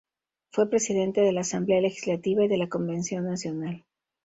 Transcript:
Fue presidente de la Asamblea legislativa y de la Convención nacional.